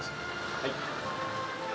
はい。